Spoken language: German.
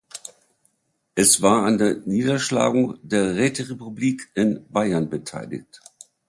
Es war an der Niederschlagung der Räterepublik in Bayern beteiligt.